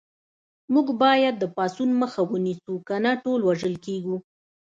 موږ باید د پاڅون مخه ونیسو کنه ټول وژل کېږو